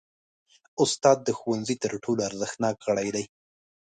استاد د ښوونځي تر ټولو ارزښتناک غړی دی.